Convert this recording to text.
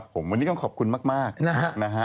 ผมวันนี้ต้องขอบคุณมากนะฮะ